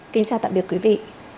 kính chào tạm biệt quý vị